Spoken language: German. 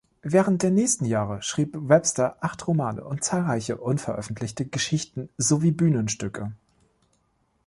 Während der nächsten Jahre schrieb Webster acht Romane und zahlreiche unveröffentlichte Geschichten sowie Bühnenstücke.